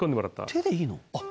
手でいいの？